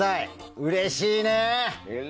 うれしいね。